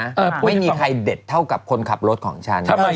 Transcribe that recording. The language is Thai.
ไม่มีใครเด็ดเท่ากับคนขับรถของฉัน